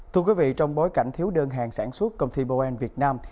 thưa quý vị trong bối cảnh thiếu đơn hàng sản xuất công ty boeng việt nam